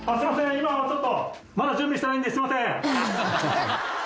今ちょっとまだ準備してないんですいません。